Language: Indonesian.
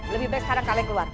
lebih baik sekarang kalian keluar